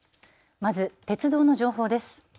まず鉄道の情報です。